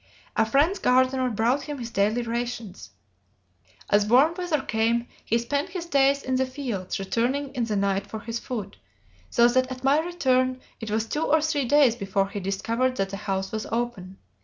A friend's gardener brought him his daily rations. As warm weather came, he spent his days in the fields, returning in the night for his food, so that at my return it was two or three days before he discovered that the house was open.